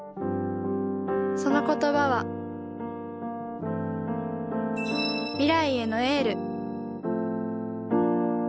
その言葉は未来へのエール。